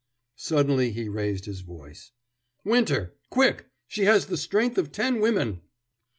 Suddenly he raised his voice. "Winter! Quick! She has the strength of ten women!"